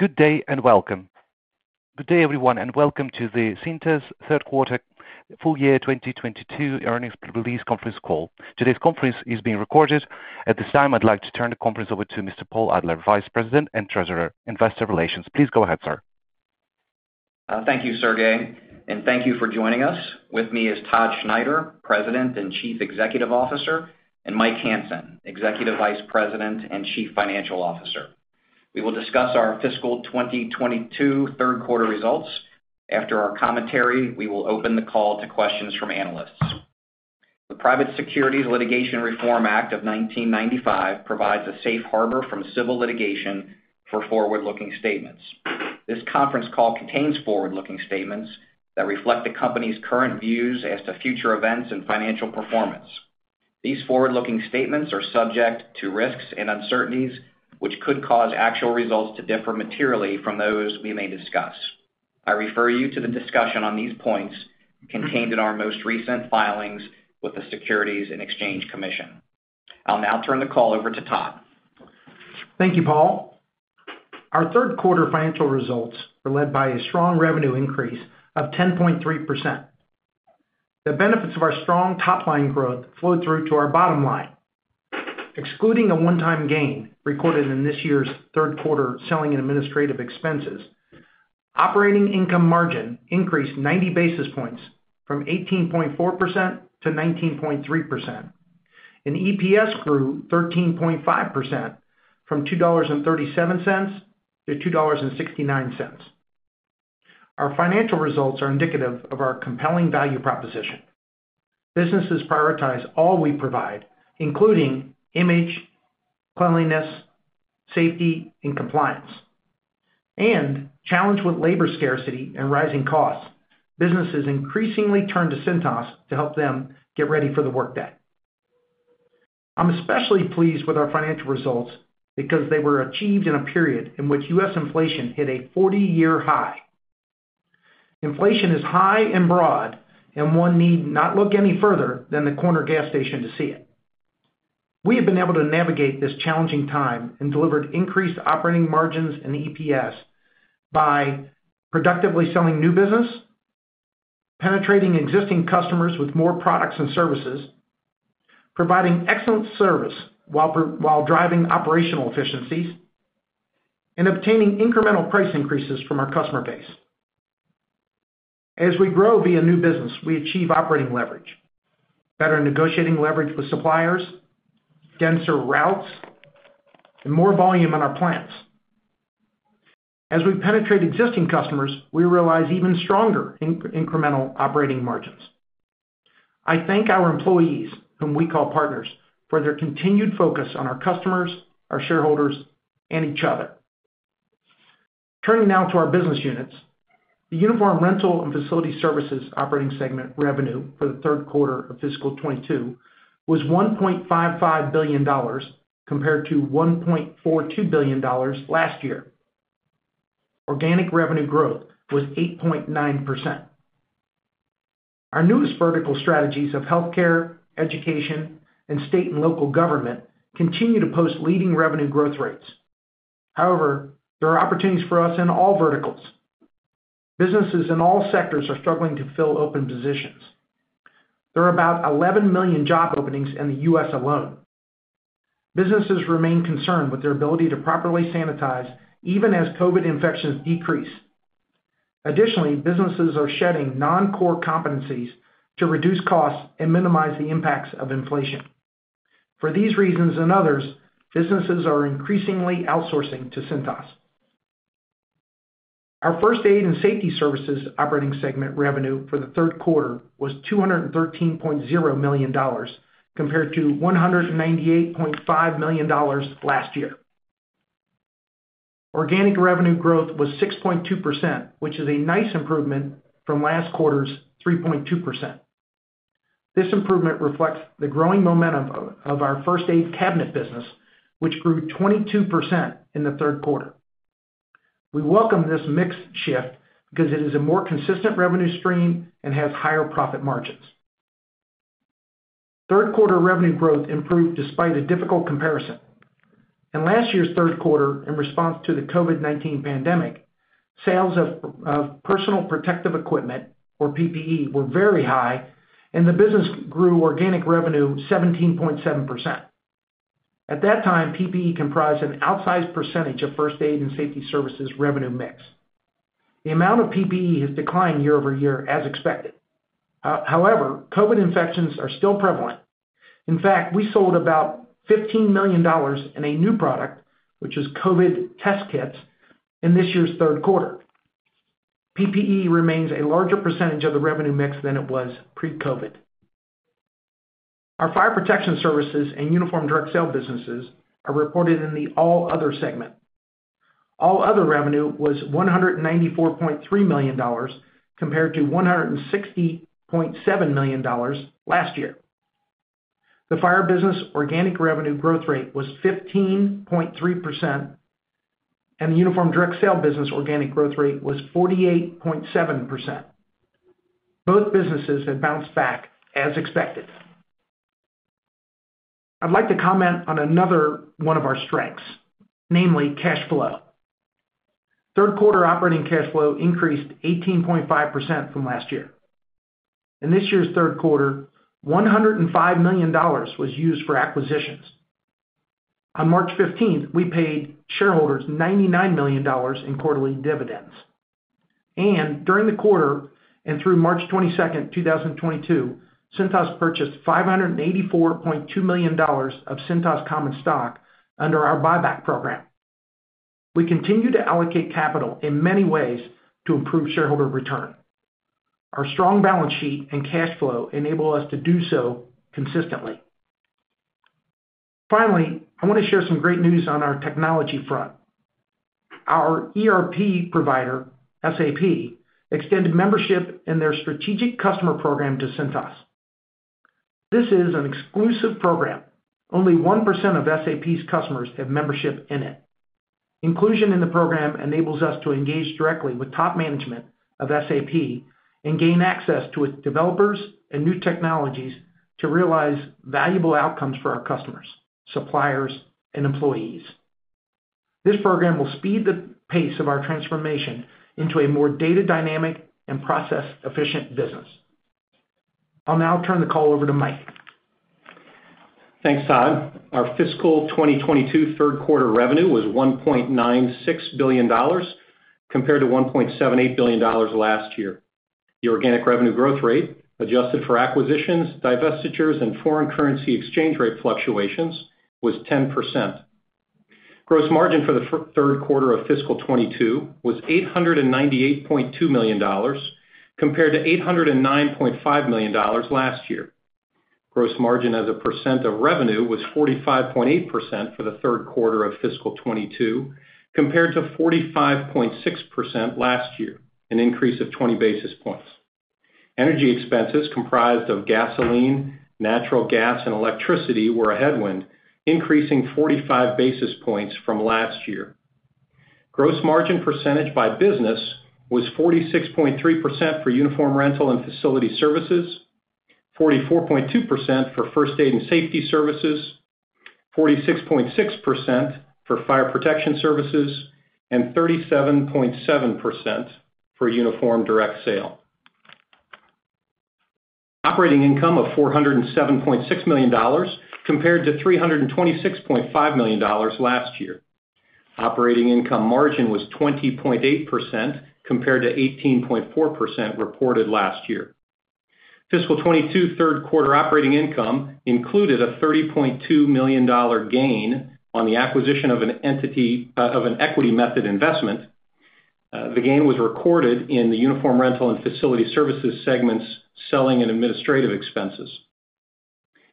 Good day and welcome. Good day, everyone, and welcome to the Cintas third quarter full year 2022 earnings release conference call. Today's conference is being recorded. At this time, I'd like to turn the conference over to Mr. Paul Adler, Vice President and Treasurer, Investor Relations. Please go ahead, sir. Thank you, Sergei, and thank you for joining us. With me is Todd Schneider, President and Chief Executive Officer, and Mike Hansen, Executive Vice President and Chief Financial Officer. We will discuss our fiscal 2022 third quarter results. After our commentary, we will open the call to questions from analysts. The Private Securities Litigation Reform Act of 1995 provides a safe harbor from civil litigation for forward-looking statements. This conference call contains forward-looking statements that reflect the company's current views as to future events and financial performance. These forward-looking statements are subject to risks and uncertainties, which could cause actual results to differ materially from those we may discuss. I refer you to the discussion on these points contained in our most recent filings with the Securities and Exchange Commission. I'll now turn the call over to Todd. Thank you, Paul. Our third quarter financial results were led by a strong revenue increase of 10.3%. The benefits of our strong top-line growth flowed through to our bottom line. Excluding a one-time gain recorded in this year's third quarter selling and administrative expenses, operating income margin increased 90 basis points from 18.4%-19.3%, and EPS grew 13.5% from $2.37-$2.69. Our financial results are indicative of our compelling value proposition. Businesses prioritize all we provide, including image, cleanliness, safety, and compliance. Challenged with labor scarcity and rising costs, businesses increasingly turn to Cintas to help them get ready for the workday. I'm especially pleased with our financial results because they were achieved in a period in which U.S. inflation hit a 40 year high. Inflation is high and broad, and one need not look any further than the corner gas station to see it. We have been able to navigate this challenging time and delivered increased operating margins and EPS by productively selling new business, penetrating existing customers with more products and services, providing excellent service while driving operational efficiencies, and obtaining incremental price increases from our customer base. As we grow via new business, we achieve operating leverage, better negotiating leverage with suppliers, denser routes, and more volume in our plants. As we penetrate existing customers, we realize even stronger incremental operating margins. I thank our employees, whom we call partners, for their continued focus on our customers, our shareholders, and each other. Turning now to our business units. The Uniform Rental and facility services operating segment revenue for the third quarter of fiscal 2022 was $1.55 billion compared to $1.42 billion last year. Organic revenue growth was 8.9%. Our newest vertical strategies of Healthcare, Education, and state and local government continue to post leading revenue growth rates. However, there are opportunities for us in all verticals. Businesses in all sectors are struggling to fill open positions. There are about 11 million job openings in the U.S. alone. Businesses remain concerned with their ability to properly sanitize, even as COVID infections decrease. Additionally, businesses are shedding non-core competencies to reduce costs and minimize the impacts of inflation. For these reasons and others, businesses are increasingly outsourcing to Cintas. Our First Aid and Safety Services operating segment revenue for the third quarter was $213.0 million, compared to $198.5 million last year. Organic revenue growth was 6.2%, which is a nice improvement from last quarter's 3.2%. This improvement reflects the growing momentum of our first aid cabinet business, which grew 22% in the third quarter. We welcome this mix shift because it is a more consistent revenue stream and has higher profit margins. Third quarter revenue growth improved despite a difficult comparison. In last year's third quarter, in response to the COVID-19 pandemic, sales of personal protective equipment, or PPE, were very high, and the business grew organic revenue 17.7%. At that time, PPE comprised an outsized percentage of First Aid and Safety Services revenue mix. The amount of PPE has declined year-over-year as expected. However, COVID infections are still prevalent. In fact, we sold about $15 million in a new product, which is COVID test kits, in this year's third quarter. PPE remains a larger percentage of the revenue mix than it was pre-COVID. Our Fire Protection Services and Uniform Direct Sale businesses are reported in the All Other segment. All Other revenue was $194.3 million compared to $160.7 million last year. The fire business organic revenue growth rate was 15.3%, and the Uniform Direct Sale business organic growth rate was 48.7%. Both businesses have bounced back as expected. I'd like to comment on another one of our strengths, namely cash flow. Third quarter operating cash flow increased 18.5% from last year. In this year's third quarter, $105 million was used for acquisitions. On March 15th, we paid shareholders $99 million in quarterly dividends. During the quarter, and through March 22nd, 2022, Cintas purchased $584.2 million of Cintas common stock under our buyback program. We continue to allocate capital in many ways to improve shareholder return. Our strong balance sheet and cash flow enable us to do so consistently. Finally, I want to share some great news on our technology front. Our ERP provider, SAP, extended membership in their Strategic Customer Program to Cintas. This is an exclusive program. Only 1% of SAP's customers have membership in it. Inclusion in the program enables us to engage directly with top management of SAP and gain access to its developers and new technologies to realize valuable outcomes for our customers, suppliers, and employees. This program will speed the pace of our transformation into a more data dynamic and process efficient business. I'll now turn the call over to Mike. Thanks, Todd. Our fiscal 2022 third quarter revenue was $1.96 billion compared to $1.78 billion last year. The organic revenue growth rate, adjusted for acquisitions, divestitures, and foreign currency exchange rate fluctuations, was 10%. Gross margin for the third quarter of fiscal 2022 was $898.2 million compared to $809.5 million last year. Gross margin as a percent of revenue was 45.8% for the third quarter of fiscal 2022 compared to 45.6% last year, an increase of 20 basis points. Energy expenses comprised of gasoline, natural gas, and electricity were a headwind, increasing 45 basis points from last year. Gross margin percentage by business was 46.3% for Uniform Rental and Facility Services, 44.2% for First Aid and Safety Services, 46.6% for Fire Protection Services, and 37.7% for Uniform Direct Sale. Operating income of $407.6 million compared to $326.5 million last year. Operating income margin was 20.8% compared to 18.4% reported last year. Fiscal 2022 third quarter operating income included a $30.2 million gain on the acquisition of an equity method investment. The gain was recorded in the Uniform Rental and Facility Services segment's selling and administrative expenses.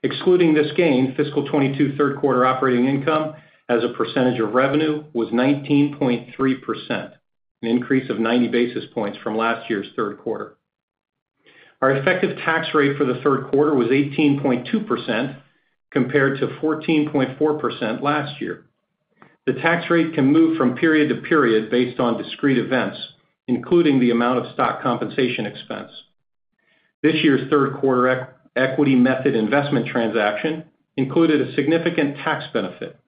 Excluding this gain, fiscal 2022 third quarter operating income as a percentage of revenue was 19.3%, an increase of 90 basis points from last year's third quarter. Our effective tax rate for the third quarter was 18.2% compared to 14.4% last year. The tax rate can move from period to period based on discrete events, including the amount of stock compensation expense. This year's third quarter equity method investment transaction included a significant tax benefit.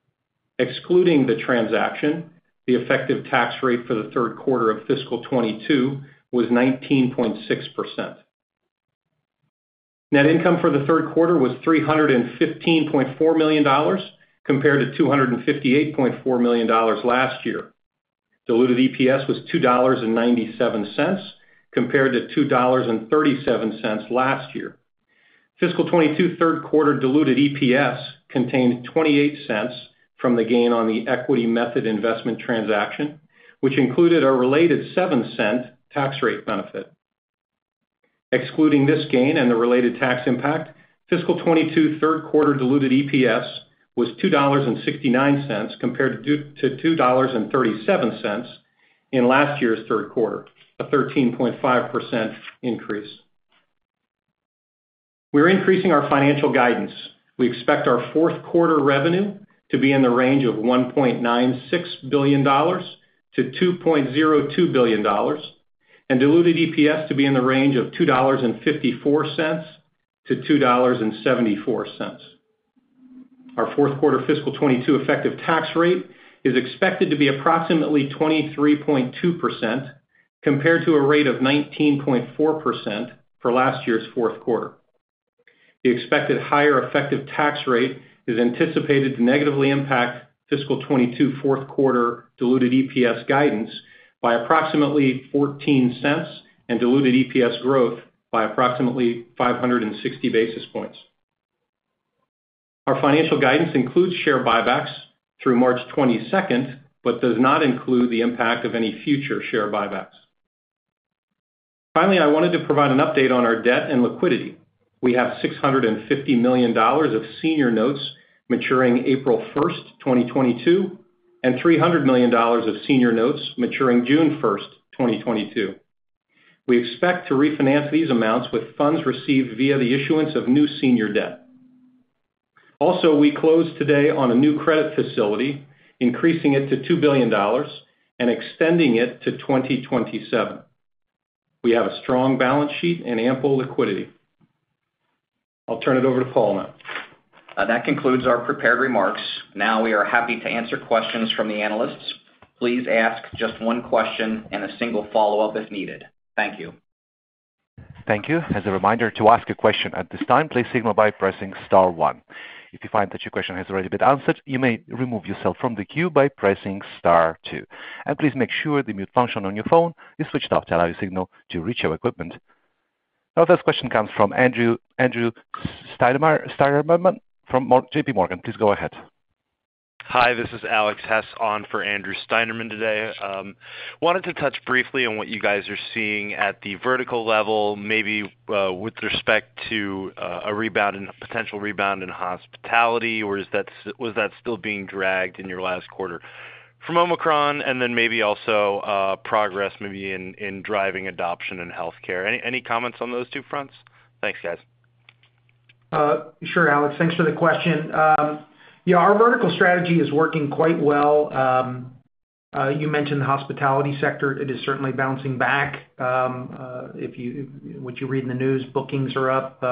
Excluding the transaction, the effective tax rate for the third quarter of fiscal 2022 was 19.6%. Net income for the third quarter was $315.4 million compared to $258.4 million last year. Diluted EPS was $2.97 compared to $2.37 last year. Fiscal 2022 third quarter diluted EPS contained $0.28 from the gain on the equity method investment transaction, which included a related $0.07 tax rate benefit. Excluding this gain and the related tax impact, fiscal 2022 third quarter diluted EPS was $2.69 compared to $2.37 in last year's third quarter, a 13.5% increase. We're increasing our financial guidance. We expect our fourth quarter revenue to be in the range of $1.96 billion-$2.02 billion, and diluted EPS to be in the range of $2.54-$2.74. Our fourth quarter fiscal 2022 effective tax rate is expected to be approximately 23.2% compared to a rate of 19.4% for last year's fourth quarter. The expected higher effective tax rate is anticipated to negatively impact fiscal 2022 fourth quarter diluted EPS guidance by approximately $0.14 and diluted EPS growth by approximately 560 basis points. Our financial guidance includes share buybacks through March 22, but does not include the impact of any future share buybacks. Finally, I wanted to provide an update on our debt and liquidity. W e have $650 million of senior notes maturing April 1, 2022, and $300 million of senior notes maturing June 1, 2022. We expect to refinance these amounts with funds received via the issuance of new senior debt. Also, we closed today on a new credit facility, increasing it to $2 billion and extending it to 2027. We have a strong balance sheet and ample liquidity. I'll turn it over to Paul now. That concludes our prepared remarks. Now we are happy to answer questions from the analysts. Please ask just one question and a single follow-up if needed. Thank you. Thank you. As a reminder, to ask a question at this time, please signal by pressing star one. If you find that your question has already been answered, you may remove yourself from the queue by pressing star two. Please make sure the mute function on your phone is switched off to allow your signal to reach our equipment. Our first question comes from Andrew Steinerman from JPMorgan. Please go ahead. Hi, this is Alex Hess on for Andrew Steinerman today. Wanted to touch briefly on what you guys are seeing at the vertical level, maybe, with respect to, a potential rebound in hospitality, or was that still being dragged in your last quarter from Omicron? Then maybe also, progress maybe in driving adoption in healthcare. Any comments on those two fronts? Thanks, guys. Sure, Alex Hess. Thanks for the question. Yeah, our vertical strategy is working quite well. You mentioned the hospitality sector. It is certainly bouncing back. What you read in the news, bookings are up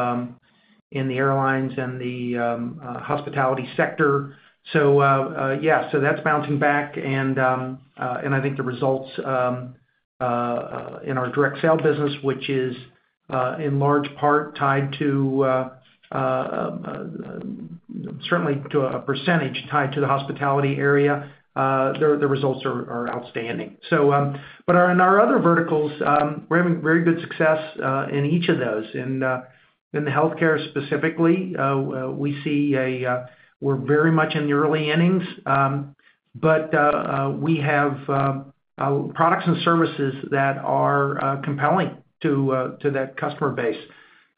in the airlines and the hospitality sector. Yeah, that's bouncing back and I think the results in our direct sale business, which is in large part tied to certainly to a percentage tied to the hospitality area, the results are outstanding. In our other verticals, we're having very good success in each of those. In the healthcare specifically, we see, we're very much in the early innings, but we have products and services that are compelling to that customer base.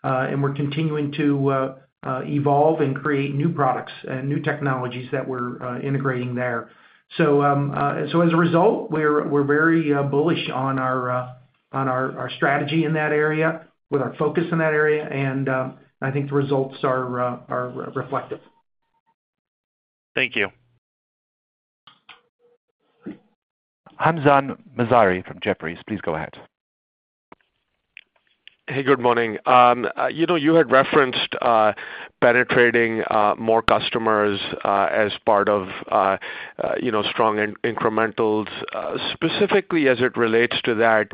We're continuing to evolve and create new products and new technologies that we're integrating there. As a result, we're very bullish on our strategy in that area with our focus in that area and I think the results are reflective. Thank you. Hamzah Mazari from Jefferies, please go ahead. Hey, good morning. You know, you had referenced penetrating more customers as part of you know, strong incrementals. Specifically as it relates to that,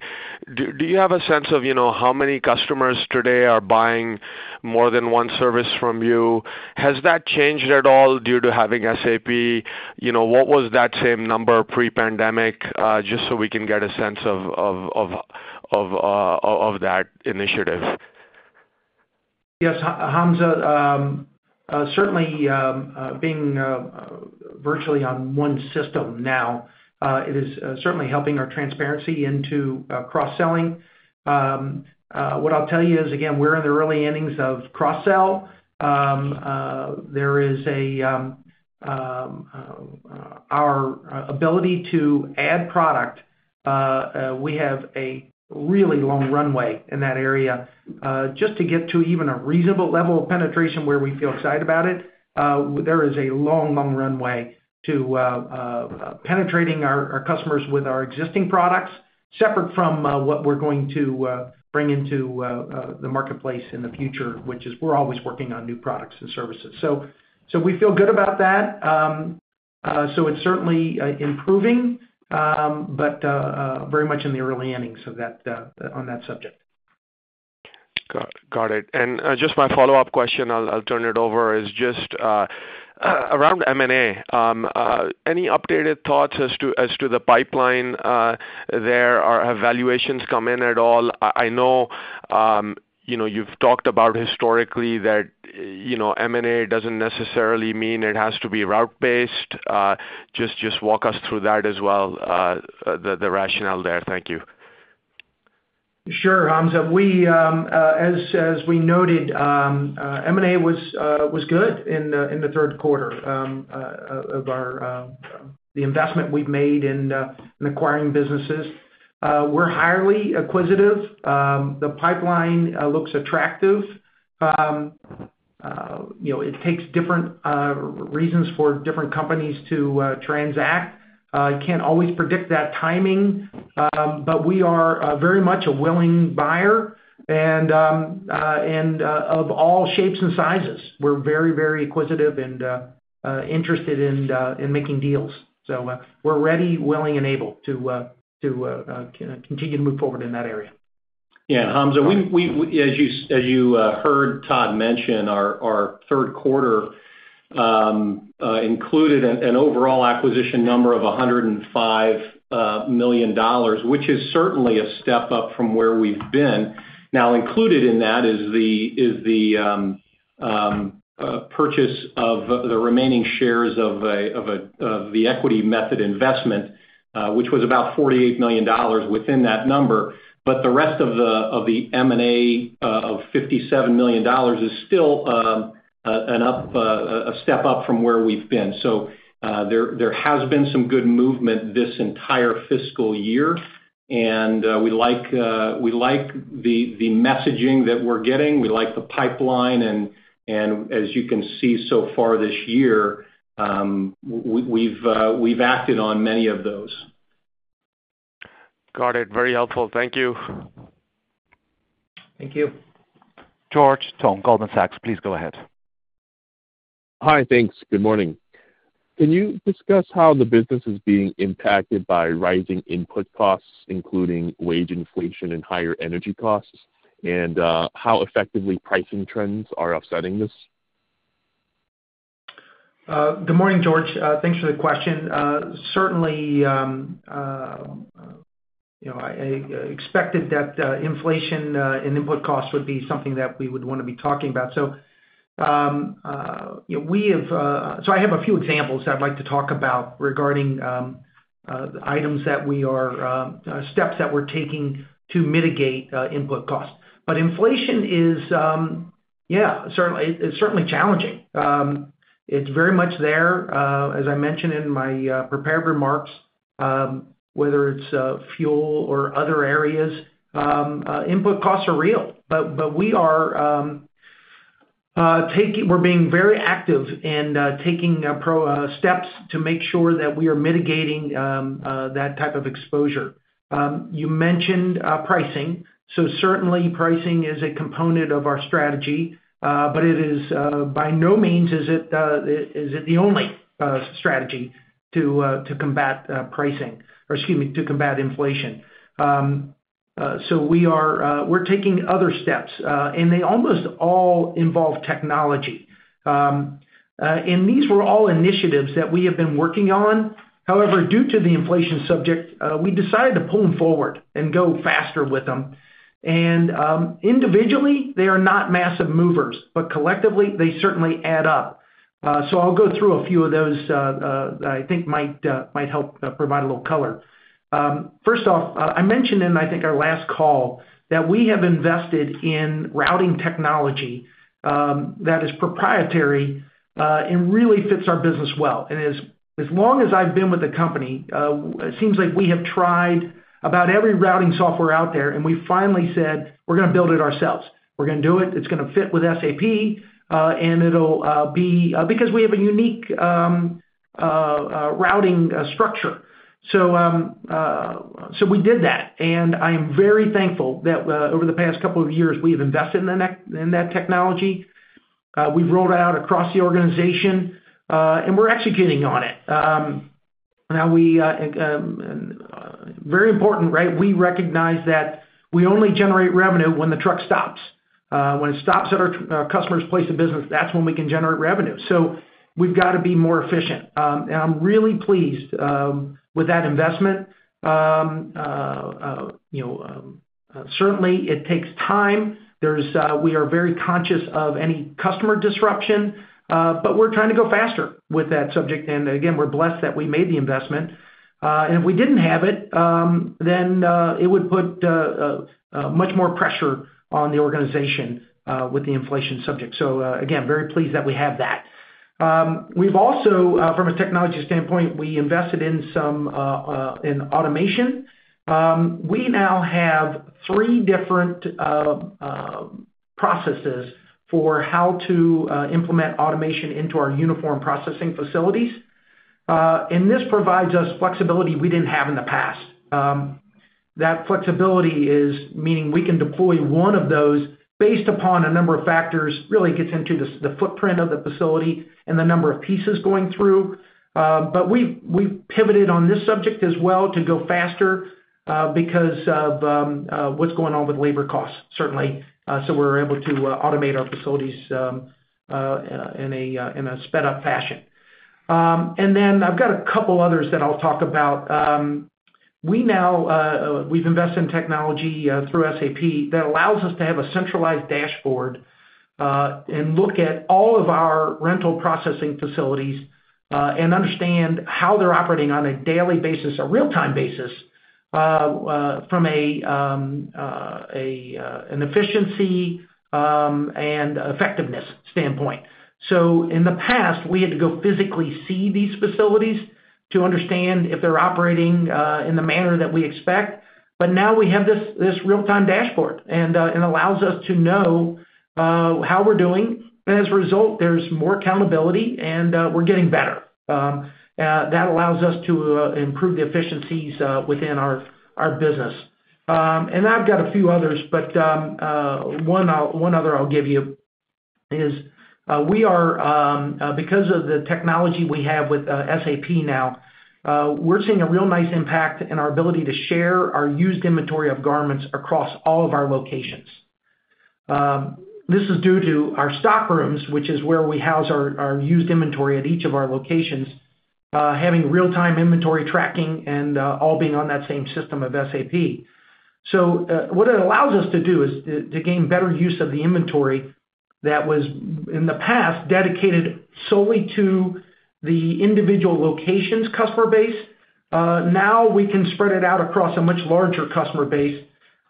do you have a sense of you know, how many customers today are buying more than one service from you? Has that changed at all due to having SAP? You know, what was that same number pre-pandemic just so we can get a sense of that initiative? Yes, Hamza, certainly, being virtually on one system now, it is certainly helping our transparency into cross-selling. What I'll tell you is, again, we're in the early innings of cross-sell. Our ability to add product, we have a really long runway in that area, just to get to even a reasonable level of penetration where we feel excited about it. There is a long runway to penetrating our customers with our existing products, separate from what we're going to bring into the marketplace in the future, which is we're always working on new products and services. We feel good about that. It's certainly improving, but very much in the early innings of that on that subject. Got it. Just my follow-up question, I'll turn it over, is just around M&A. Any updated thoughts as to the pipeline there? Or have valuations come in at all? I know, you know, you've talked about historically that, you know, M&A doesn't necessarily mean it has to be route based. Just walk us through that as well, the rationale there. Thank you. Sure, Hamza. As we noted, M&A was good in the third quarter. Of the investment we've made in acquiring businesses, we're highly acquisitive. The pipeline looks attractive. You know, it takes different reasons for different companies to transact. You can't always predict that timing, but we are very much a willing buyer and of all shapes and sizes. We're very acquisitive and interested in making deals. We're ready, willing, and able to continue to move forward in that area. Yeah, Hamza, we as you heard Todd mention, our third quarter included an overall acquisition number of $105 million, which is certainly a step up from where we've been. Now, included in that is the purchase of the remaining shares of the equity method investment, which was about $48 million within that number. The rest of the M&A of $57 million is still a step up from where we've been. There has been some good movement this entire fiscal year, and we like the messaging that we're getting. We like the pipeline, and as you can see so far this year-We've acted on many of those. Got it. Very helpful. Thank you. Thank you. George Tong, Goldman Sachs, please go ahead. Hi. Thanks. Good morning. Can you discuss how the business is being impacted by rising input costs, including wage inflation and higher energy costs? How effectively pricing trends are offsetting this? Good morning, George. Thanks for the question. Certainly, you know, I expected that inflation and input costs would be something that we would wanna be talking about. I have a few examples that I'd like to talk about regarding the steps that we're taking to mitigate input costs. But inflation is certainly challenging. It's very much there, as I mentioned in my prepared remarks, whether it's fuel or other areas, input costs are real. But we are being very active in taking proactive steps to make sure that we are mitigating that type of exposure. You mentioned pricing. Certainly pricing is a component of our strategy, but it is by no means the only strategy to combat pricing or, excuse me, to combat inflation. We're taking other steps, and they almost all involve technology. These were all initiatives that we have been working on. However, due to the inflation situation, we decided to pull them forward and go faster with them. Individually, they are not massive movers, but collectively, they certainly add up. I'll go through a few of those that I think might help provide a little color. First off, I mentioned in, I think, our last call that we have invested in routing technology that is proprietary and really fits our business well. As long as I've been with the company, it seems like we have tried about every routing software out there, and we finally said, "We're gonna build it ourselves. We're gonna do it. It's gonna fit with SAP" because we have a unique routing structure. We did that, and I am very thankful that over the past couple of years, we have invested in that technology. We've rolled out across the organization, and we're executing on it. Now, very important, right? We recognize that we only generate revenue when the truck stops. When it stops at our customer's place of business, that's when we can generate revenue. We've got to be more efficient. I'm really pleased with that investment. You know, certainly it takes time. We are very conscious of any customer disruption, but we're trying to go faster with that subject. Again, we're blessed that we made the investment. If we didn't have it, then it would put much more pressure on the organization with the inflation subject. Again, very pleased that we have that. We've also, from a technology standpoint, invested in some automation. We now have three different processes for how to implement automation into our uniform processing facilities. This provides us flexibility we didn't have in the past. That flexibility is meaning we can deploy one of those based upon a number of factors, really gets into the footprint of the facility and the number of pieces going through. We pivoted on this subject as well to go faster because of what's going on with labor costs, certainly, so we're able to automate our facilities in a sped up fashion. I've got a couple others that I'll talk about. We've invested in technology through SAP that allows us to have a centralized dashboard and look at all of our rental processing facilities and understand how they're operating on a daily basis, a real-time basis, from an efficiency and effectiveness standpoint. In the past, we had to go physically see these facilities to understand if they're operating in the manner that we expect. Now we have this real-time dashboard, and it allows us to know how we're doing. As a result, there's more accountability, and we're getting better. That allows us to improve the efficiencies within our business. I've got a few others, but one other I'll give you is, because of the technology we have with SAP now, we're seeing a real nice impact in our ability to share our used inventory of garments across all of our locations. This is due to our stock rooms, which is where we house our used inventory at each of our locations, having real-time inventory tracking and all being on that same system of SAP. What it allows us to do is to gain better use of the inventory that was, in the past, dedicated solely to the individual location's customer base. Now we can spread it out across a much larger customer base.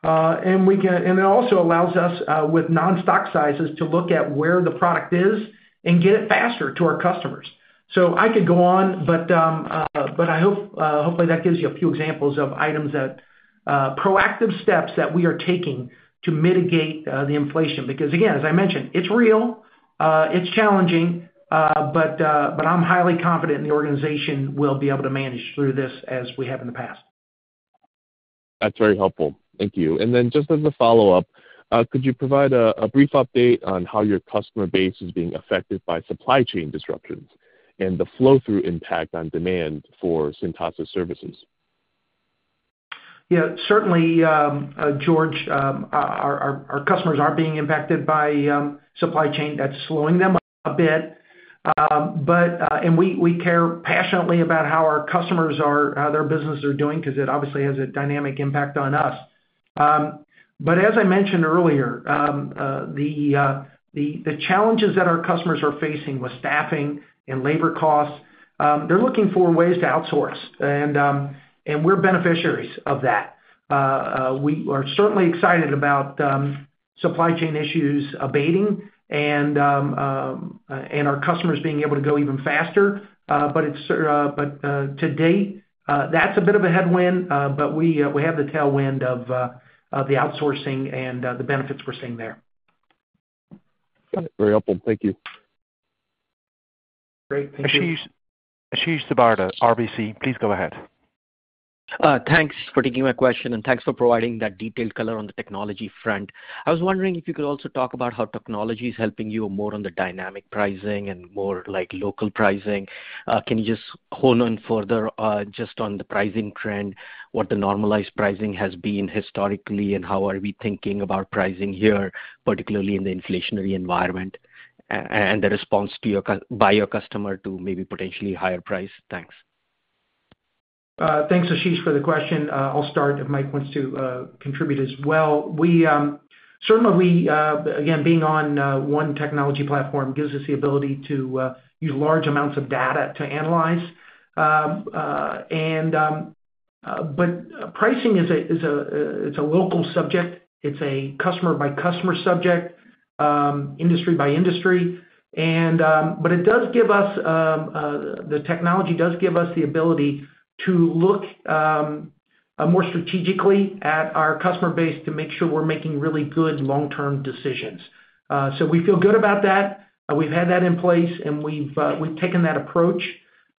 It also allows us with non-stock sizes to look at where the product is and get it faster to our customers. I could go on, but I hope, hopefully, that gives you a few examples of proactive steps that we are taking to mitigate the inflation. Because again, as I mentioned, it's real, it's challenging, but I'm highly confident the organization will be able to manage through this as we have in the past. That's very helpful. Thank you. Then just as a follow-up, could you provide a brief update on how your customer base is being affected by supply chain disruptions and the flow-through impact on demand for Cintas' services? Yeah. Certainly, George, our customers are being impacted by supply chain. That's slowing them a bit. We care passionately about how their business are doing because it obviously has a dynamic impact on us. As I mentioned earlier, the challenges that our customers are facing with staffing and labor costs, they're looking for ways to outsource and we're beneficiaries of that. We are certainly excited about supply chain issues abating and our customers being able to go even faster. But to date, that's a bit of a headwind, but we have the tailwind of the outsourcing and the benefits we're seeing there. Very helpful. Thank you. Great. Thank you. Ashish Sabadra, RBC, please go ahead. Thanks for taking my question and thanks for providing that detailed color on the technology front. I was wondering if you could also talk about how technology is helping you more on the dynamic pricing and more like local pricing. Can you just hone in further just on the pricing trend, what the normalized pricing has been historically, and how are we thinking about pricing here, particularly in the inflationary environment, and the response by your customer to maybe potentially higher price? Thanks. Thanks, Ashish, for the question. I'll start if Mike wants to contribute as well. Certainly, being on one technology platform gives us the ability to use large amounts of data to analyze. Pricing is a local subject. It's a customer by customer subject, industry by industry. The technology does give us the ability to look more strategically at our customer base to make sure we're making really good long-term decisions. We feel good about that. We've had that in place, and we've taken that approach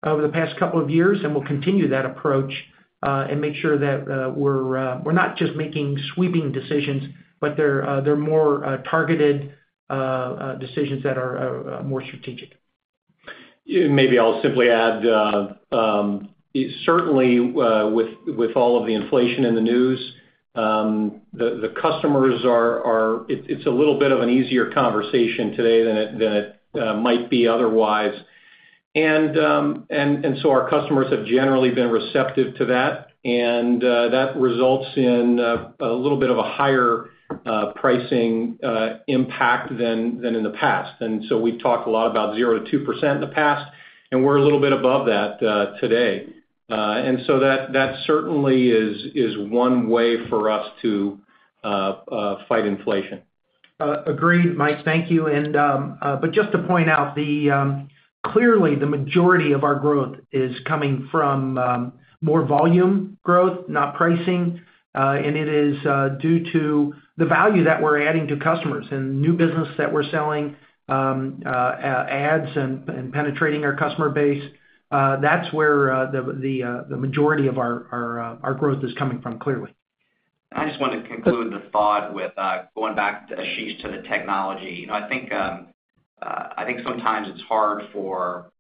over the past couple of years, and we'll continue that approach, and make sure that we're not just making sweeping decisions, but they're more targeted decisions that are more strategic. Maybe I'll simply add, certainly, with all of the inflation in the news, the customers are. It's a little bit of an easier conversation today than it might be otherwise. Our customers have generally been receptive to that. That results in a little bit of a higher pricing impact than in the past. We've talked a lot about 0%-2% in the past, and we're a little bit above that today. That certainly is one way for us to fight inflation. Agreed, Mike. Thank you. But just to point out, clearly the majority of our growth is coming from more volume growth, not pricing. It is due to the value that we're adding to customers and new business that we're selling, adds and penetrating our customer base. That's where the majority of our growth is coming from, clearly. I just want to conclude the thought with going back to Ashish, to the technology. You know, I think sometimes it's hard for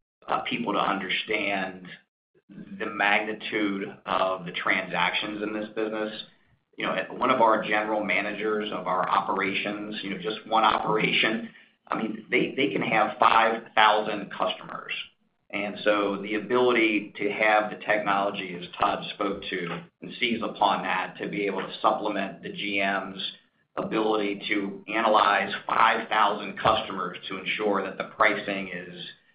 people to understand the magnitude of the transactions in this business. You know, one of our general managers of our operations, you know, just one operation, I mean, they can have 5,000 customers. The ability to have the technology, as Todd spoke to, and seize upon that, to be able to supplement the GM's ability to analyze 5,000 customers to ensure that the pricing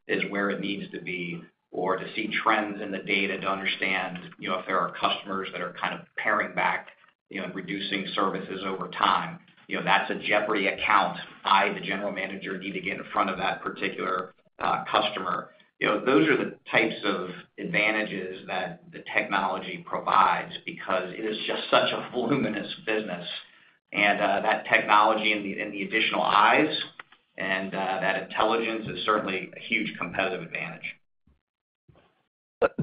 is where it needs to be, or to see trends in the data to understand, you know, if there are customers that are kind of paring back, you know, and reducing services over time. You know, that's a jeopardy account. I, the general manager, need to get in front of that particular customer. You know, those are the types of advantages that the technology provides because it is just such a voluminous business. That technology and the additional eyes and that intelligence is certainly a huge competitive advantage.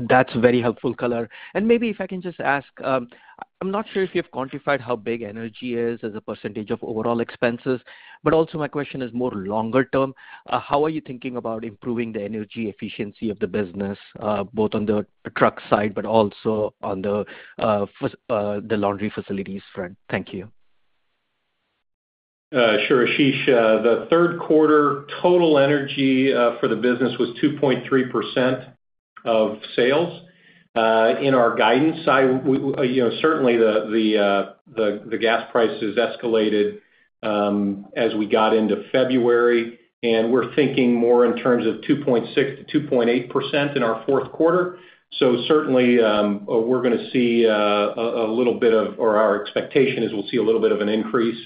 That's very helpful color. Maybe if I can just ask, I'm not sure if you've quantified how big energy is as a percentage of overall expenses, but also my question is more longer term. How are you thinking about improving the energy efficiency of the business, both on the truck side but also on the laundry facilities front? Thank you. Sure, Ashish. The third quarter total energy for the business was 2.3% of sales. In our guidance side, we you know certainly the gas prices escalated as we got into February, and we're thinking more in terms of 2.6%-2.8% in our fourth quarter. Certainly, our expectation is we'll see a little bit of an increase.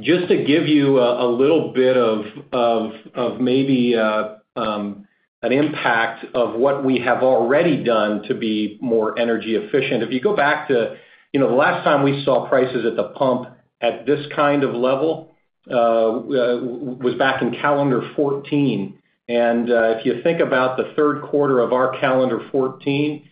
Just to give you a little bit of maybe an impact of what we have already done to be more energy efficient. If you go back to you know the last time we saw prices at the pump at this kind of level was back in calendar 2014. If you think about the third quarter of our calendar 2014,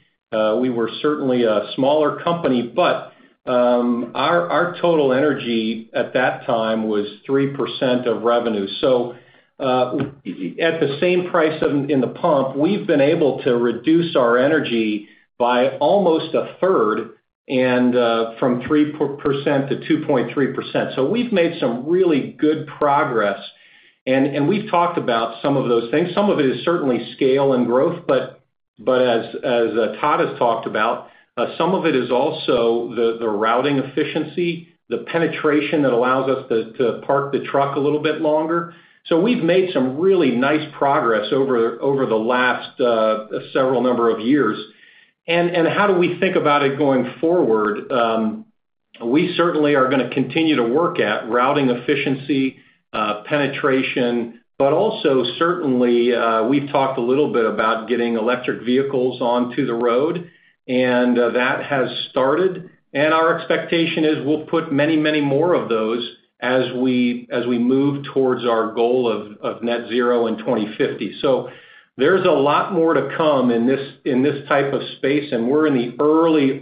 we were certainly a smaller company, but our total energy at that time was 3% of revenue. At the same price in the pump, we've been able to reduce our energy by almost a 1/3 and from 3%-2.3%. We've made some really good progress, and we've talked about some of those things. Some of it is certainly scale and growth, but as Todd has talked about, some of it is also the routing efficiency, the penetration that allows us to park the truck a little bit longer. We've made some really nice progress over the last several number of years. How do we think about it going forward? We certainly are gonna continue to work at routing efficiency, penetration, but also certainly, we've talked a little bit about getting electric vehicles onto the road, and that has started. Our expectation is we'll put many more of those as we move towards our goal of net zero in 2050. There's a lot more to come in this type of space, and we're in the early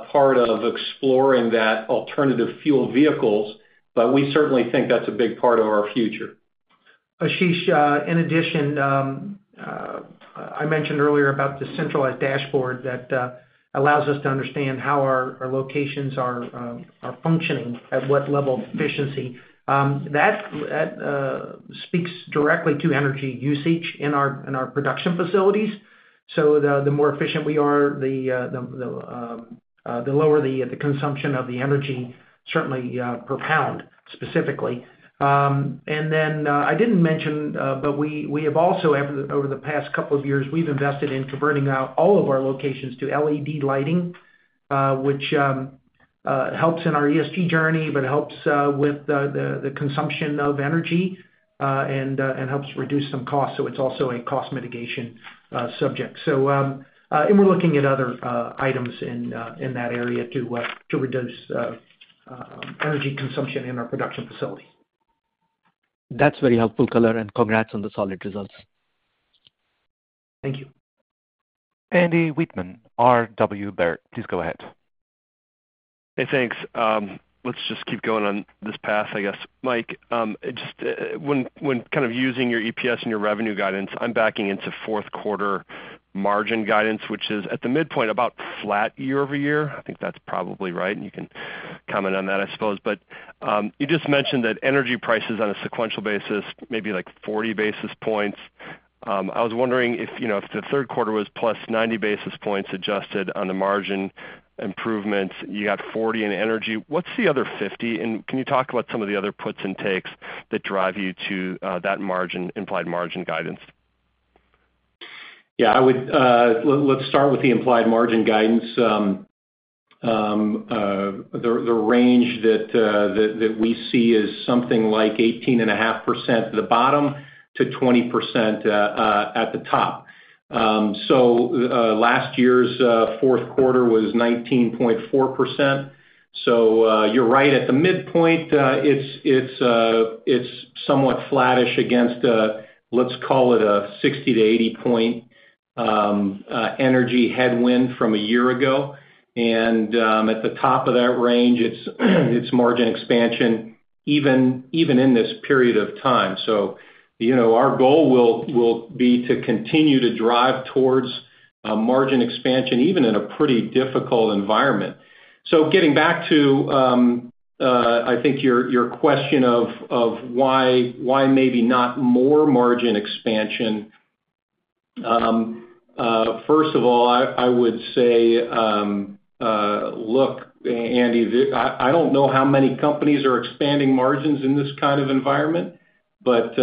part of exploring that alternative fuel vehicles, but we certainly think that's a big part of our future. Ashish, in addition, I mentioned earlier about the centralized dashboard that allows us to understand how our locations are functioning at what level of efficiency. That speaks directly to energy usage in our production facilities. The more efficient we are, the lower the consumption of the energy, certainly per pound, specifically. I didn't mention, but we have also, over the past couple of years, we've invested in converting out all of our locations to LED lighting, which helps in our ESG journey, but helps with the consumption of energy, and helps reduce some costs. It's also a cost mitigation subject. We're looking at other items in that area to reduce energy consumption in our production facility. That's very helpful color, and congrats on the solid results. Thank you. Andy Wittmann, R.W. Baird, please go ahead. Hey, thanks. Let's just keep going on this path, I guess. Mike, just, when kind of using your EPS and your revenue guidance, I'm backing into fourth quarter margin guidance, which is at the midpoint about flat year-over-year. I think that's probably right, and you can comment on that, I suppose. You just mentioned that energy prices on a sequential basis may be like 40 basis points. I was wondering if, you know, if the third quarter was +90 basis points adjusted on the margin improvements, you got 40 basis points in energy, what's the other 50 basis points? And can you talk about some of the other puts and takes that drive you to that margin, implied margin guidance? Yeah, I would, let's start with the implied margin guidance. The range that we see is something like 18.5% at the bottom to 20% at the top. Last year's fourth quarter was 19.4%. You're right. At the midpoint, it's somewhat flattish against let's call it a 60-80 point energy headwind from a year ago. At the top of that range, it's margin expansion even in this period of time. You know, our goal will be to continue to drive towards a margin expansion, even in a pretty difficult environment. Getting back to, I think your question of why maybe not more margin expansion. First of all, I would say, look, Andy, I don't know how many companies are expanding margins in this kind of environment, but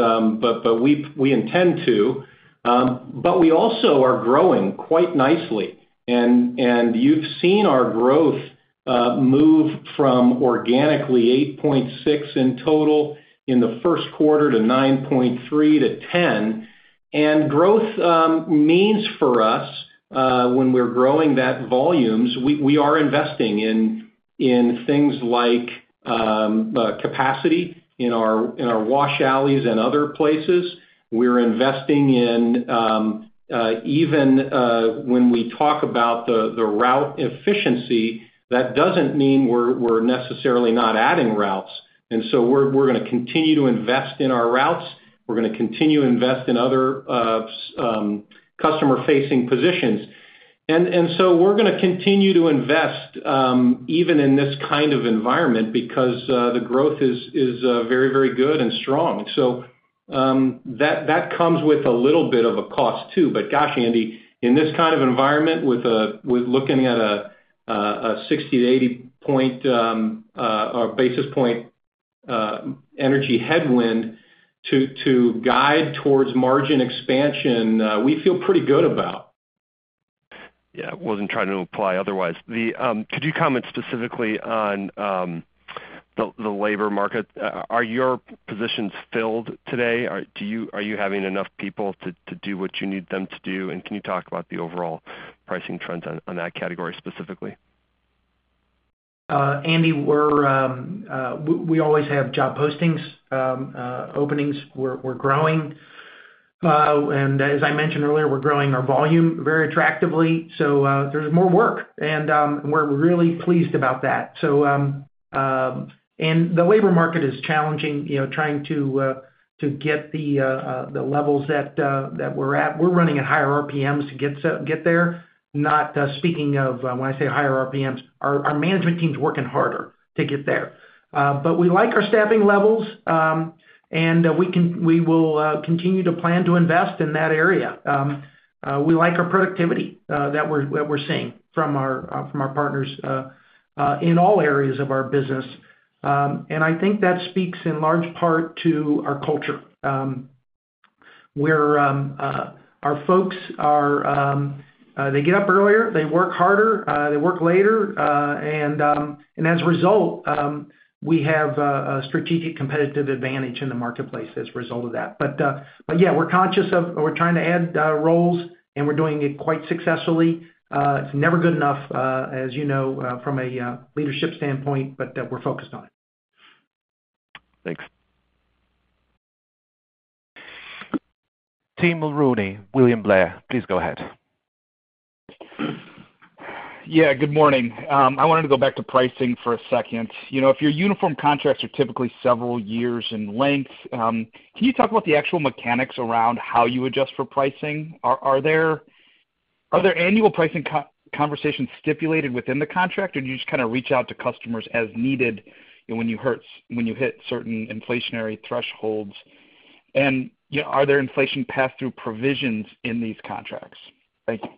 we intend to. We also are growing quite nicely. You've seen our growth move from organically 8.6% in total in the first quarter to 9.3%-10%. Growth means for us, when we're growing those volumes, we are investing in things like capacity in our wash alleys and other places. We're investing in even when we talk about the route efficiency, that doesn't mean we're necessarily not adding routes. We're gonna continue to invest in our routes. We're gonna continue to invest in other customer-facing positions. We're gonna continue to invest even in this kind of environment because the growth is very good and strong. That comes with a little bit of a cost too. Gosh, Andy, in this kind of environment with looking at a 60-80 basis point energy headwind to guide towards margin expansion, we feel pretty good about. Yeah, wasn't trying to imply otherwise. Could you comment specifically on the labor market? Are your positions filled today? Are you having enough people to do what you need them to do? Can you talk about the overall pricing trends on that category specifically? Andy, we always have job postings, openings. We're growing. As I mentioned earlier, we're growing our volume very attractively. There's more work, and we're really pleased about that. The labor market is challenging, you know, trying to get the levels that we're at. We're running at higher RPMs to get there. Not speaking of when I say higher RPMs, our management team's working harder to get there. We like our staffing levels, and we will continue to plan to invest in that area. We like our productivity that we're seeing from our partners in all areas of our business. I think that speaks in large part to our culture, where our folks are, they get up earlier, they work harder, they work later, and as a result, we have a strategic competitive advantage in the marketplace as a result of that. Yeah, we're trying to add roles, and we're doing it quite successfully. It's never good enough, as you know, from a leadership standpoint, but we're focused on it. Thanks. Tim Mulrooney, William Blair, please go ahead. Yeah, good morning. I wanted to go back to pricing for a second. You know, if your uniform contracts are typically several years in length, can you talk about the actual mechanics around how you adjust for pricing? Are there annual pricing conversations stipulated within the contract, or do you just kinda reach out to customers as needed when you hit certain inflationary thresholds? You know, are there inflation pass-through provisions in these contracts? Thank you.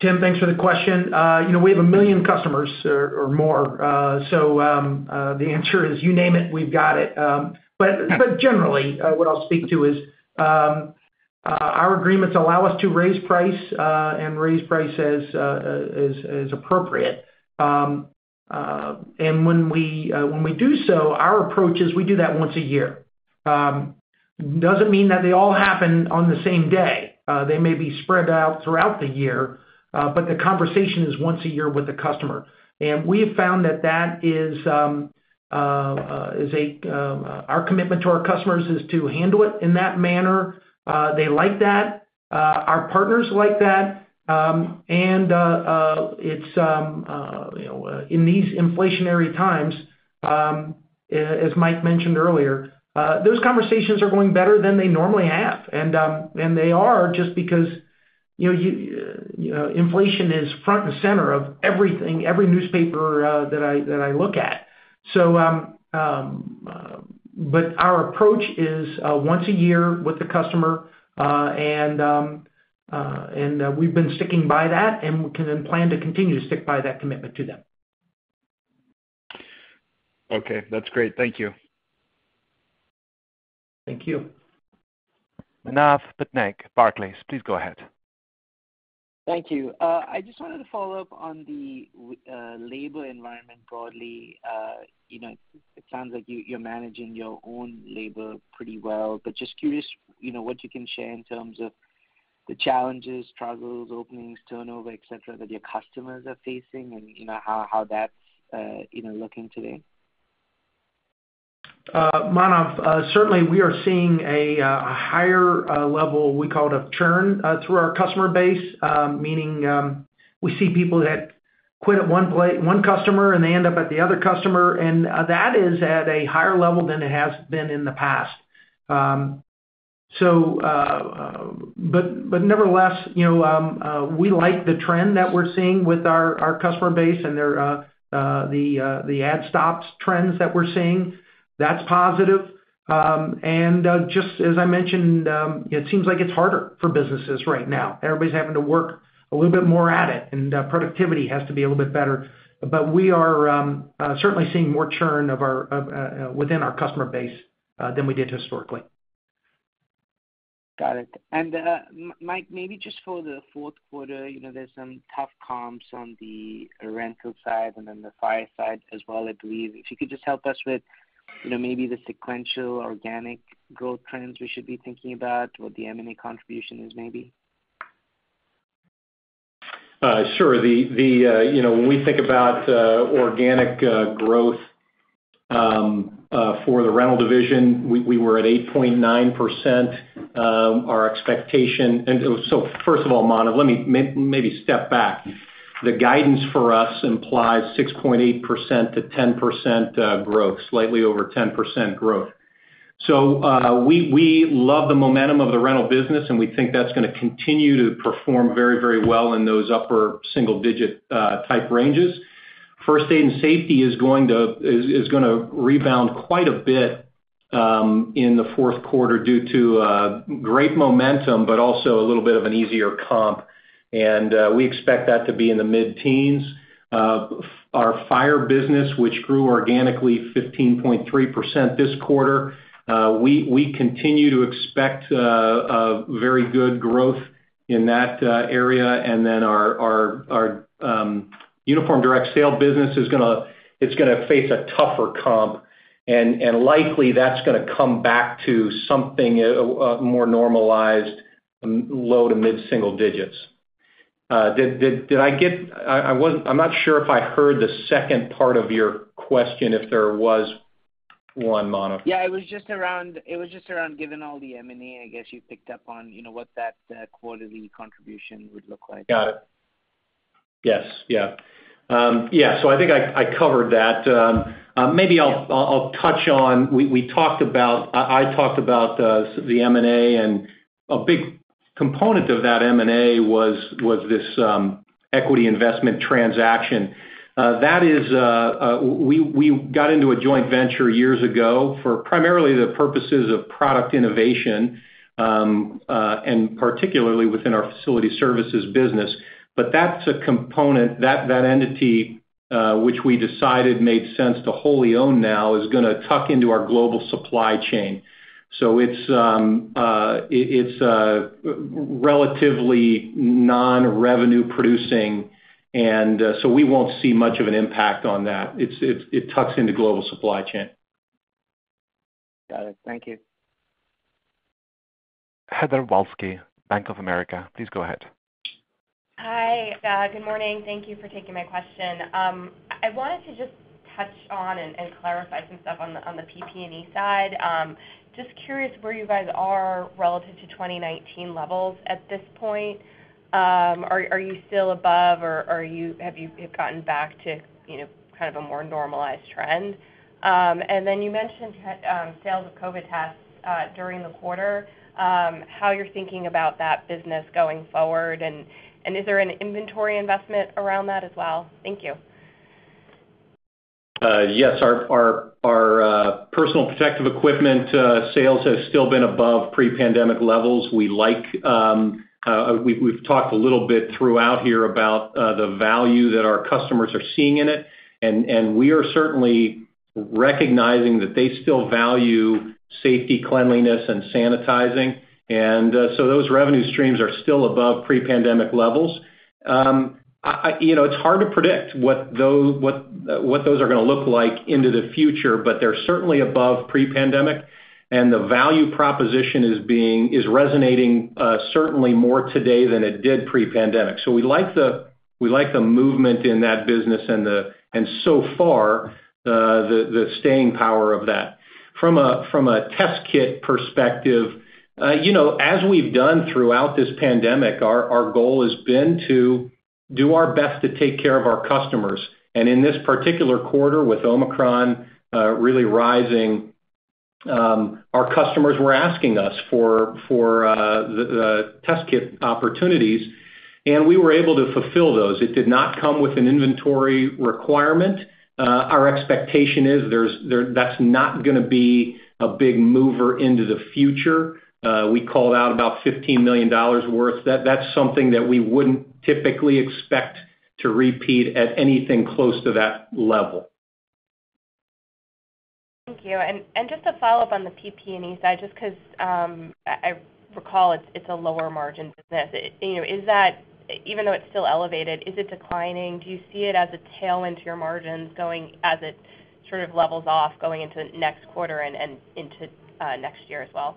Tim, thanks for the question. You know, we have 1 million customers or more. So the answer is, you name it, we've got it. But generally, what I'll speak to is our agreements allow us to raise price and raise price as appropriate. And when we do so, our approach is we do that once a year. Doesn't mean that they all happen on the same day. They may be spread out throughout the year, but the conversation is once a year with the customer. We have found that that is our commitment to our customers to handle it in that manner. They like that. Our partners like that. It's, you know, in these inflationary times, as Mike mentioned earlier, those conversations are going better than they normally have. They are just because, you know, inflation is front and center of everything, every newspaper that I look at. But our approach is once a year with the customer, and we've been sticking by that, and we can then plan to continue to stick by that commitment to them. Okay, that's great. Thank you. Thank you. Manav Patnaik, Barclays, please go ahead. Thank you. I just wanted to follow up on the labor environment broadly. You know, it sounds like you're managing your own labor pretty well, but just curious, you know, what you can share in terms of the challenges, struggles, openings, turnover, et cetera, that your customers are facing and you know, how that's looking today. Manav, certainly, we are seeing a higher level, we call it a churn through our customer base, meaning we see people that quit at one customer, and they end up at the other customer. That is at a higher level than it has been in the past. Nevertheless, you know, we like the trend that we're seeing with our customer base and the add/stop trends that we're seeing. That's positive. Just as I mentioned, it seems like it's harder for businesses right now. Everybody's having to work a little bit more at it, and productivity has to be a little bit better. We are certainly seeing more churn within our customer base than we did historically. Got it. Mike, maybe just for the fourth quarter, you know, there's some tough comps on the rental side and then the fire side as well, I believe. If you could just help us with, you know, maybe the sequential organic growth trends we should be thinking about, what the M&A contribution is maybe. Sure. The you know, when we think about organic growth for the rental division, we were at 8.9%. Our expectation first of all, Manav, let me maybe step back. The guidance for us implies 6.8%-10% growth, slightly over 10% growth. We love the momentum of the rental business, and we think that's gonna continue to perform very, very well in those upper single-digit type ranges. First Aid and Safety is gonna rebound quite a bit in the fourth quarter due to great momentum, but also a little bit of an easier comp. We expect that to be in the mid-teens. Our Fire business, which grew organically 15.3% this quarter, we continue to expect a very good growth in that area. Our Uniform Direct Sale business is gonna face a tougher comp Likely that's gonna come back to something more normalized, low- to mid-single digits. Did I get it? I'm not sure if I heard the second part of your question, if there was one, Mano. Yeah, it was just around given all the M&A. I guess you picked up on, you know, what that quarterly contribution would look like. Got it. Yes. Yeah. Yeah, so I think I covered that. Maybe I'll touch on we talked about I talked about the M&A, and a big component of that M&A was this equity investment transaction. That is, we got into a joint venture years ago for primarily the purposes of product innovation and particularly within our facility services business. That's a component, that entity, which we decided made sense to wholly own now is gonna tuck into our global supply chain. It's relatively non-revenue producing and so we won't see much of an impact on that. It tucks into global supply chain. Got it. Thank you. Heather Balsky, Bank of America, please go ahead. Hi. Good morning. Thank you for taking my question. I wanted to just touch on and clarify some stuff on the PPE side. Just curious where you guys are relative to 2019 levels at this point. Are you still above or have you gotten back to, you know, kind of a more normalized trend? You mentioned sales of COVID tests during the quarter, how you're thinking about that business going forward, and is there an inventory investment around that as well? Thank you. Yes. Our personal protective equipment sales have still been above pre-pandemic levels. We've talked a little bit throughout here about the value that our customers are seeing in it, and we are certainly recognizing that they still value safety, cleanliness, and sanitizing. Those revenue streams are still above pre-pandemic levels. You know, it's hard to predict what those are gonna look like into the future, but they're certainly above pre-pandemic, and the value proposition is resonating certainly more today than it did pre-pandemic. We like the movement in that business and so far the staying power of that. From a test kit perspective, you know, as we've done throughout this pandemic, our goal has been to do our best to take care of our customers. In this particular quarter, with Omicron really rising, our customers were asking us for the test kit opportunities, and we were able to fulfill those. It did not come with an inventory requirement. Our expectation is that's not gonna be a big mover into the future. We called out about $15 million worth. That's something that we wouldn't typically expect to repeat at anything close to that level. Thank you. Just to follow up on the PPE side, just 'cause I recall it's a lower margin business. You know, is that, even though it's still elevated, is it declining? Do you see it as a tail into your margins going as it sort of levels off going into next quarter and into next year as well?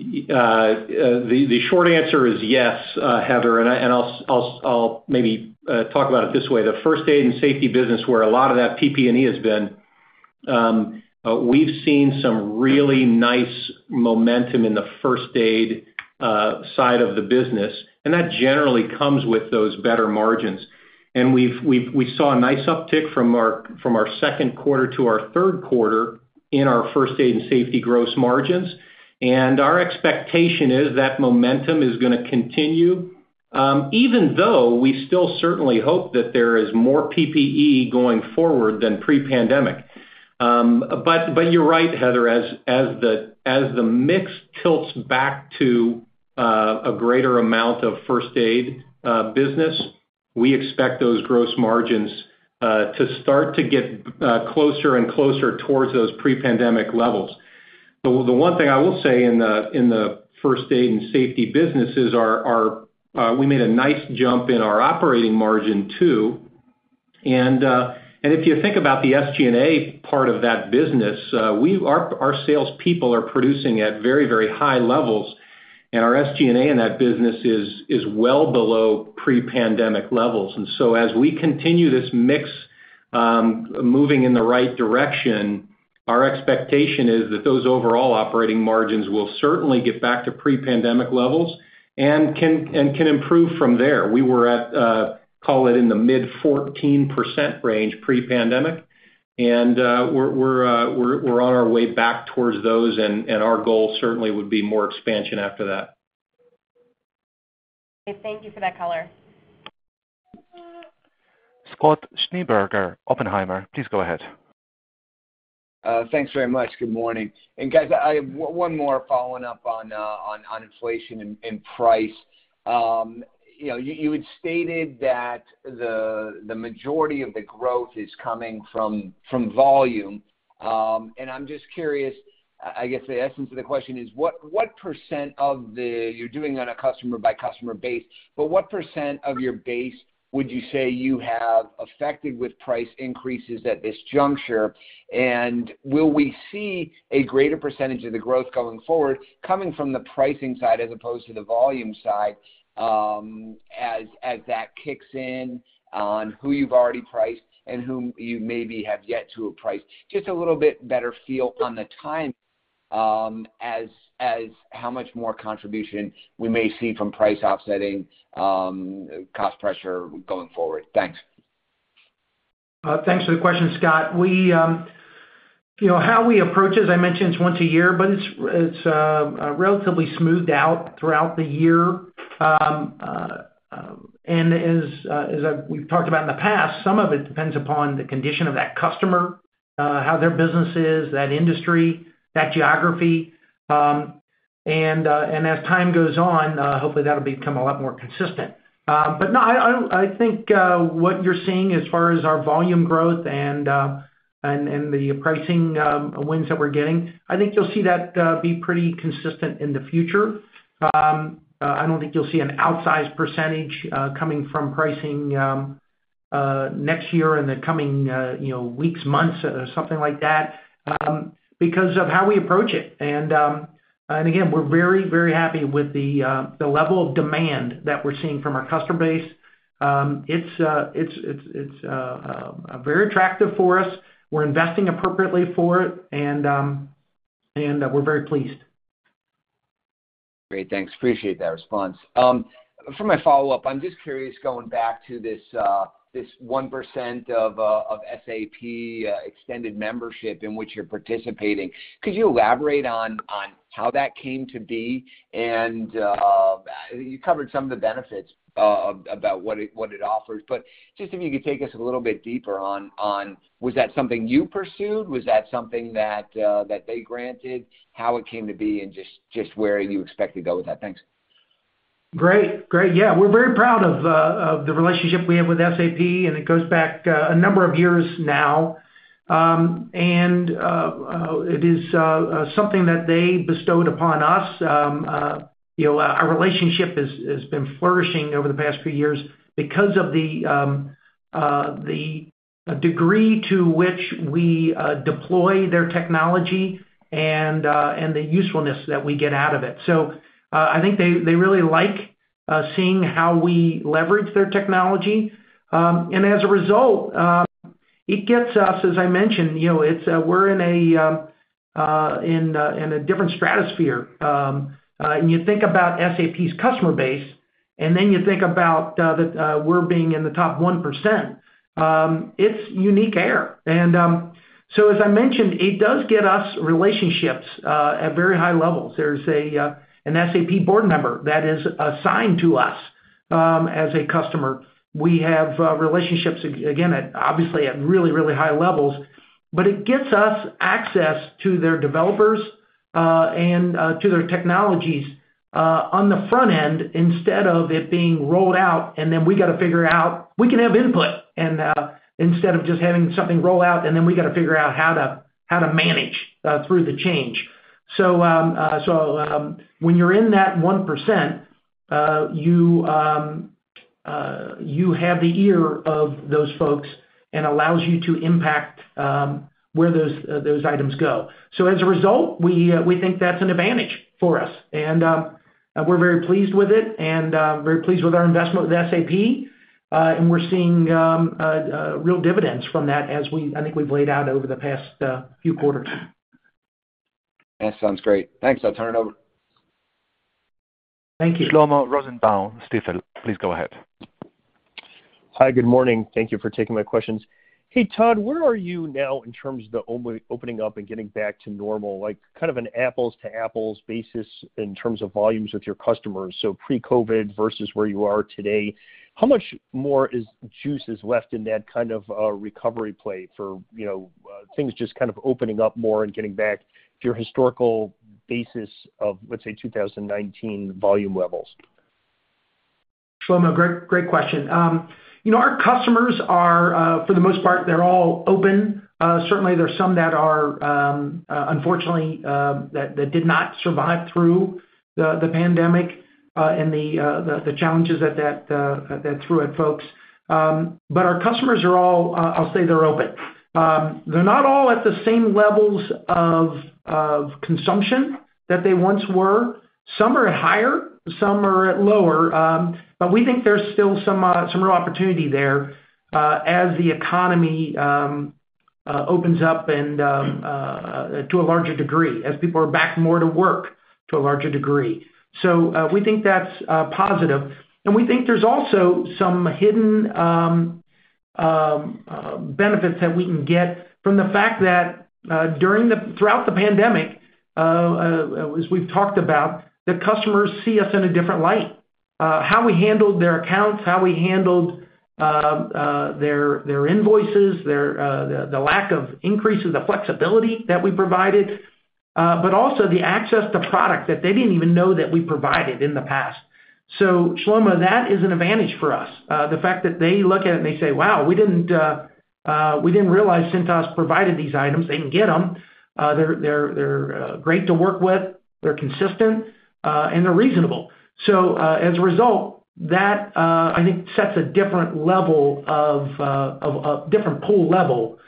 The short answer is yes, Heather, and I'll maybe talk about it this way. The First Aid and Safety Services business where a lot of that PPE has been, we've seen some really nice momentum in the First Aid and Safety Services side of the business, and that generally comes with those better margins. We saw a nice uptick from our second quarter to our third quarter in our First Aid and Safety Services gross margins. Our expectation is that momentum is gonna continue, even though we still certainly hope that there is more PPE going forward than pre-pandemic. You're right, Heather. As the mix tilts back to a greater amount of first aid business, we expect those gross margins to start to get closer and closer towards those pre-pandemic levels. The one thing I will say in the first aid and safety business is that we made a nice jump in our operating margin too. If you think about the SG&A part of that business, our salespeople are producing at very high levels, and our SG&A in that business is well below pre-pandemic levels. As we continue this mix moving in the right direction, our expectation is that those overall operating margins will certainly get back to pre-pandemic levels and can improve from there. We were at, call it in the mid-14% range pre-pandemic, and we're on our way back towards those and our goal certainly would be more expansion after that. Okay, thank you for that color. Scott Schneeberger, Oppenheimer, please go ahead. Thanks very much. Good morning. Guys, I have one more following up on inflation and price. You know, you had stated that the majority of the growth is coming from volume. I'm just curious. I guess the essence of the question is what percent of the base you're doing on a customer-by-customer basis, but what percent of your base would you say you have affected with price increases at this juncture? Will we see a greater percentage of the growth going forward coming from the pricing side as opposed to the volume side, as that kicks in on who you've already priced and whom you maybe have yet to price? Just a little bit better feel on the timing as to how much more contribution we may see from price offsetting cost pressure going forward. Thanks. Thanks for the question, Scott. We, you know, how we approach it, as I mentioned, it's once a year, but it's relatively smoothed out throughout the year. As we've talked about in the past, some of it depends upon the condition of that customer, how their business is, that industry, that geography. As time goes on, hopefully that'll become a lot more consistent. No, I think what you're seeing as far as our volume growth and the pricing wins that we're getting, I think you'll see that be pretty consistent in the future. I don't think you'll see an outsized percentage coming from pricing next year in the coming you know weeks months or something like that because of how we approach it. Again, we're very, very happy with the level of demand that we're seeing from our customer base. It's very attractive for us. We're investing appropriately for it, and we're very pleased. Great. Thanks. Appreciate that response. For my follow-up, I'm just curious, going back to this 1% of SAP extended membership in which you're participating, could you elaborate on how that came to be? You covered some of the benefits about what it offers. Just if you could take us a little bit deeper on was that something you pursued? Was that something that they granted? How it came to be and just where you expect to go with that? Thanks. Great. Yeah, we're very proud of the relationship we have with SAP, and it goes back a number of years now. It is something that they bestowed upon us. You know, our relationship has been flourishing over the past few years because of the degree to which we deploy their technology and the usefulness that we get out of it. I think they really like seeing how we leverage their technology. As a result, it gets us, as I mentioned, you know, we're in a different stratosphere. You think about SAP's customer base, and then you think about that we're in the top 1%, it's unique air. As I mentioned, it does get us relationships at very high levels. There's an SAP board member that is assigned to us as a customer. We have relationships, again, at obviously at really, really high levels, but it gets us access to their developers and to their technologies on the front end instead of it being rolled out, and then we gotta figure it out. We can have input and instead of just having something roll out, and then we gotta figure out how to manage through the change. When you're in that 1%, you have the ear of those folks and allows you to impact where those items go. As a result, we think that's an advantage for us. We're very pleased with it and very pleased with our investment with SAP. We're seeing real dividends from that. I think we've laid out over the past few quarters. That sounds great. Thanks. I'll turn it over. Thank you. Shlomo Rosenbaum, Stifel, please go ahead. Hi. Good morning. Thank you for taking my questions. Hey, Todd, where are you now in terms of the opening up and getting back to normal? Like kind of an apples to apples basis in terms of volumes with your customers, so pre-COVID versus where you are today. How much more juice is left in that kind of recovery play for, you know, things just kind of opening up more and getting back to your historical basis of, let's say, 2019 volume levels? Shlomo, great question. You know, our customers are, for the most part, they're all open. Certainly there are some that are, unfortunately, that did not survive through the pandemic and the challenges that threw at folks. Our customers are all, I'll say they're open. They're not all at the same levels of consumption that they once were. Some are at higher, some are at lower. We think there's still some real opportunity there, as the economy opens up and to a larger degree, as people are back more to work to a larger degree. We think that's positive. We think there's also some hidden benefits that we can get from the fact that, throughout the pandemic, as we've talked about, the customers see us in a different light. How we handled their accounts, how we handled their invoices, the lack of increase and the flexibility that we provided. But also the access to product that they didn't even know that we provided in the past. Shlomo, that is an advantage for us. The fact that they look at it and they say, "Wow, we didn't realize Cintas provided these items." They can get them. They're great to work with, they're consistent, and they're reasonable. As a result, that I think sets a different level of a different pool level.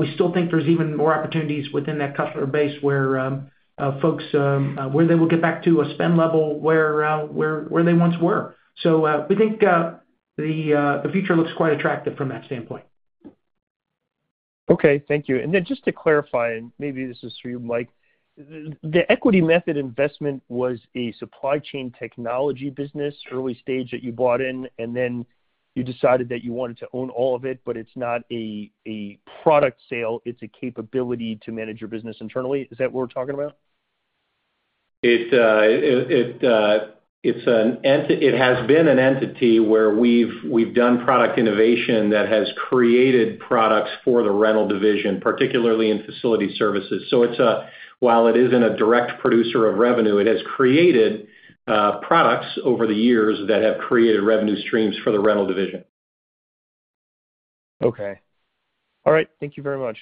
We still think there's even more opportunities within that customer base where they will get back to a spend level where they once were. We think the future looks quite attractive from that standpoint. Okay. Thank you. Just to clarify, and maybe this is for you, Mike, the equity method investment was a supply chain technology business early stage that you bought in, and then you decided that you wanted to own all of it, but it's not a product sale, it's a capability to manage your business internally. Is that what we're talking about? It has been an entity where we've done product innovation that has created products for the Rental Division, particularly in Facility Services, while it isn't a direct producer of revenue, it has created products over the years that have created revenue streams for the Rental Division. Okay. All right. Thank you very much.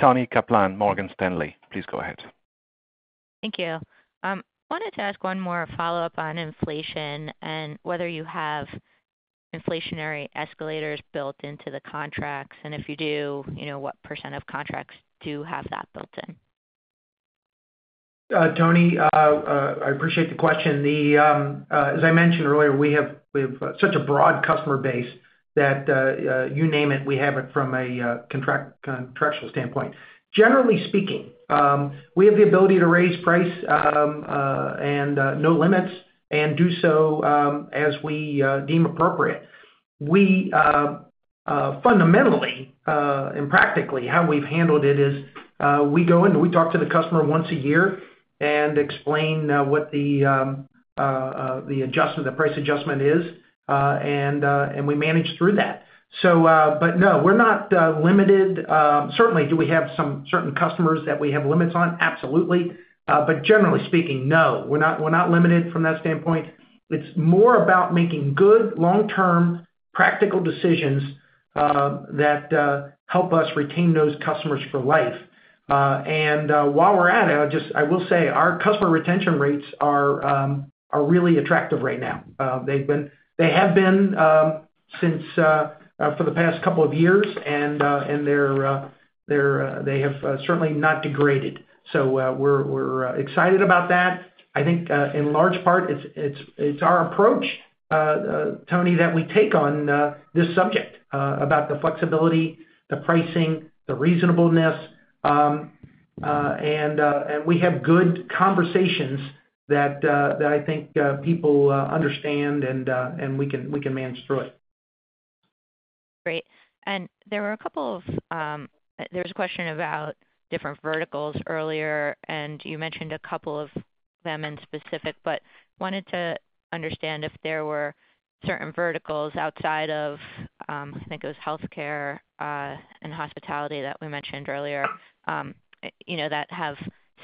Toni Kaplan, Morgan Stanley, please go ahead. Thank you. I wanted to ask one more follow-up on inflation and whether you have inflationary escalators built into the contracts, and if you do, you know, what percent of contracts do have that built in? Toni, I appreciate the question. As I mentioned earlier, we have such a broad customer base that you name it, we have it from a contractual standpoint. Generally speaking, we have the ability to raise price and no limits, and do so as we deem appropriate. Fundamentally and practically, how we've handled it is we go in and we talk to the customer once a year and explain what the adjustment, the price adjustment is. And we manage through that. But no, we're not limited. Certainly we have some certain customers that we have limits on? Absolutely. But generally speaking, no. We're not limited from that standpoint. It's more about making good long-term practical decisions that help us retain those customers for life. While we're at it, I will say our customer retention rates are really attractive right now. They have been for the past couple of years and they have certainly not degraded. We're excited about that. I think in large part it's our approach, Toni, that we take on this subject about the flexibility, the pricing, the reasonableness. We have good conversations that I think people understand and we can manage through it. Great. There was a question about different verticals earlier, and you mentioned a couple of them in specific, but wanted to understand if there were certain verticals outside of, I think it was healthcare and hospitality that we mentioned earlier, you know, that have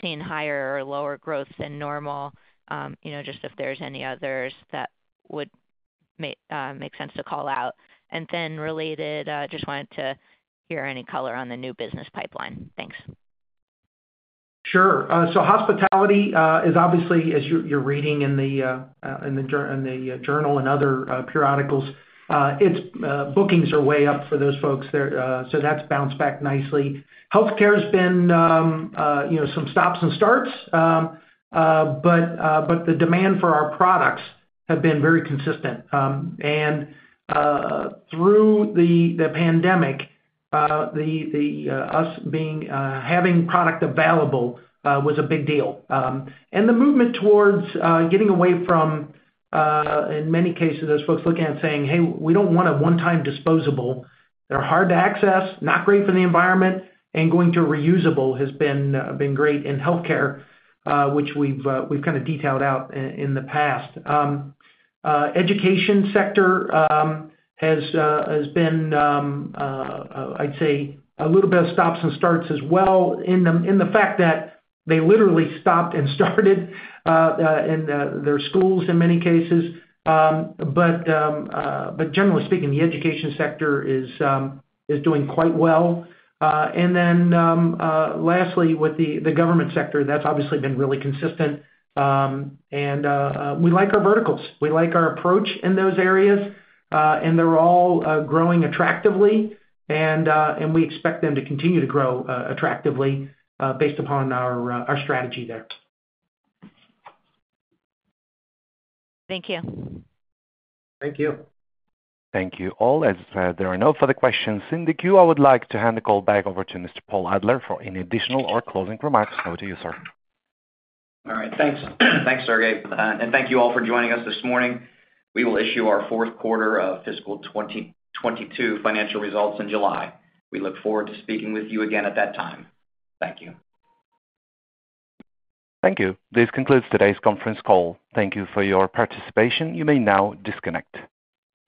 seen higher or lower growth than normal. You know, just if there's any others that would make sense to call out. Related, just wanted to hear any color on the new business pipeline. Thanks. Sure. Hospitality is obviously, as you're reading in the journal and other periodicals, it's bookings are way up for those folks there, so that's bounced back nicely. Healthcare's been, you know, some stops and starts. The demand for our products have been very consistent. Through the pandemic, us having product available was a big deal. The movement towards getting away from, in many cases, those folks looking at saying, "Hey, we don't want a one-time disposable. They're hard to access, not great for the environment," and going to reusable has been great in healthcare, which we've kind of detailed out in the past. Education sector has been, I'd say, a little bit of stops and starts as well in the fact that they literally stopped and started in their schools in many cases. Generally speaking, the education sector is doing quite well. Then, lastly, with the government sector, that's obviously been really consistent. We like our verticals. We like our approach in those areas, and they're all growing attractively, and we expect them to continue to grow attractively based upon our strategy there. Thank you. Thank you. Thank you all. As there are no further questions in the queue, I would like to hand the call back over to Mr. Paul Adler for any additional or closing remarks. Over to you, sir. All right. Thanks. Thanks, Sergei. Thank you all for joining us this morning. We will issue our fourth quarter of fiscal 2022 financial results in July. We look forward to speaking with you again at that time. Thank you. Thank you. This concludes today's conference call. Thank you for your participation. You may now disconnect.